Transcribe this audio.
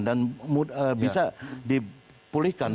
dan bisa dipulihkan